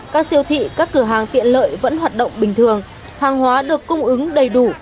các siêu thị các cửa hàng tiện lợi vẫn hoạt động bình thường hàng hóa được cung ứng đầy đủ